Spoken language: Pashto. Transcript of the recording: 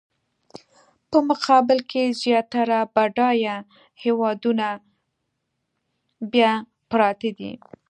په مقابل کې زیاتره بډایه هېوادونه بیا پراته دي.